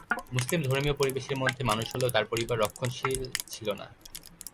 মুসলিম ধর্মীয় পরিবেশের মধ্যে মানুষ হলেও তার পরিবার রক্ষণশীল ছিলনা।